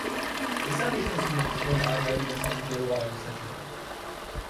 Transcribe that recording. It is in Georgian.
ეს არ ნიშნავს იმას, რომ არანაირი გასამრჯელო არ არის საჭირო.